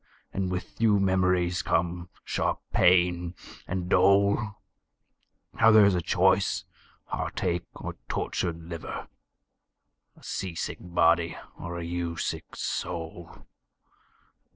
And with you memories come, sharp pain, and dole. Now there's a choice heartache or tortured liver! A sea sick body, or a you sick soul!